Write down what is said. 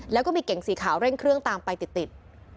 แล้วก็มีเก่งสีขาวเร่งเครื่องตามไปติด